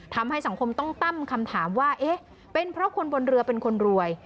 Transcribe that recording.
ทำให้สังคมต้องตั้งคำถามว่าเอ๊ะเป็นเพราะคนบนเรือเป็นคนรวย